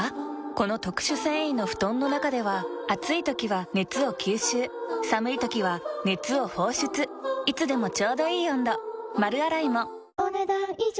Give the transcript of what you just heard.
この特殊繊維の布団の中では暑い時は熱を吸収寒い時は熱を放出いつでもちょうどいい温度丸洗いもお、ねだん以上。